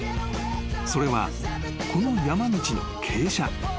［それはこの山道の傾斜］